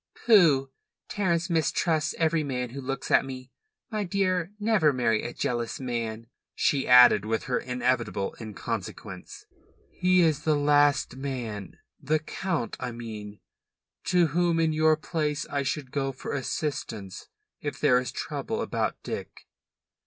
"Pooh! Terence mistrusts every man who looks at me. My dear, never marry a jealous man," she added with her inevitable inconsequence. "He is the last man the Count, I mean to whom, in your place, I should go for assistance if there is trouble about Dick."